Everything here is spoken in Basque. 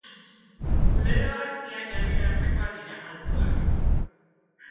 Kuleroak ia gerrira artekoak dira, altuak.